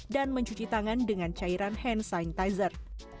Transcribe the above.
dan mencuci tangan dengan cairan hand sanitizer